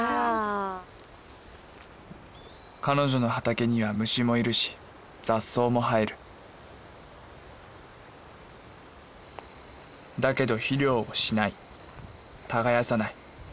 彼女の畑には虫もいるし雑草も生えるだけど肥料をしない耕さない。